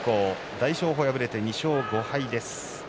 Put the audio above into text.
大翔鵬、敗れて２勝５敗です。